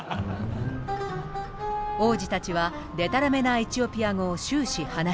王子たちはでたらめなエチオピア語を終始話していた。